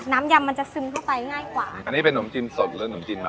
ยำมันจะซึมเข้าไปง่ายกว่าอันนี้เป็นนมจินสดหรือขนมจีนมา